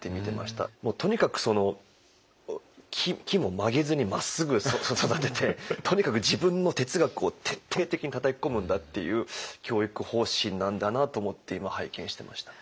もうとにかくその木も曲げずにまっすぐ育ててとにかく自分の哲学を徹底的にたたき込むんだっていう教育方針なんだなと思って今拝見してました。